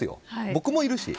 僕もいるし。